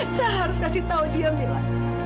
saya harus kasih tahu dia mila